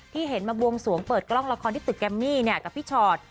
เห็นมาบวงสวงเปิดกล้องละครที่ตึกแกมมี่กับพี่ชอต